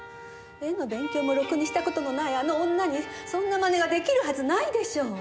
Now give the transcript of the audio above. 絵の勉強もろくにした事のないあの女にそんなマネが出来るはずないでしょ！